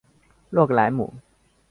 洛格莱姆。